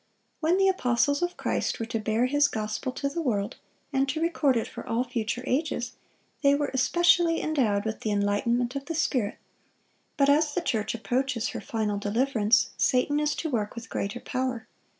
When the apostles of Christ were to bear His gospel to the world and to record it for all future ages, they were especially endowed with the enlightenment of the Spirit. But as the church approaches her final deliverance, Satan is to work with greater power.